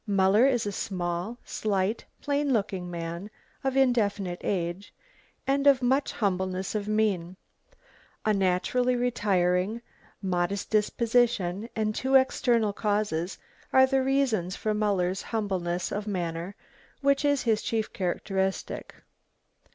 Muller is a small, slight, plain looking man, of indefinite age, and of much humbleness of mien. A naturally retiring, modest disposition, and two external causes are the reasons for Muller's humbleness of manner, which is his chief characteristic.